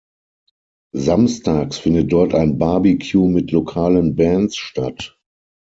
Samstags findet dort ein Barbecue mit lokalen Bands statt.